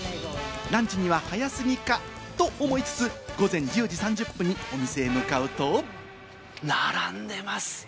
ランチには早すぎかと思いつつ、午前１０時３０分にお店へ向かうと。